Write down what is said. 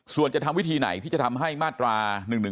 ส่วนจะทำวิธีไหนที่จะทำให้มาตรา๑๑๒